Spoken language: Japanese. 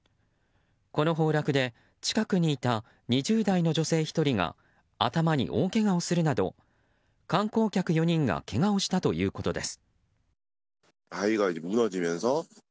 この崩落で、近くにいた２０代の女性１人が頭に大けがをするなど観光客４人がけがをしたということです。